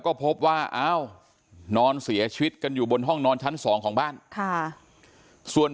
ก็พบว่าอ้าวนอนเสียชีวิตกันอยู่บนห้องนอนชั้นสองของบ้านค่ะส่วน